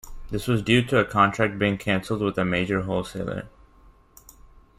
This was due to a contract being cancelled with a major wholesaler.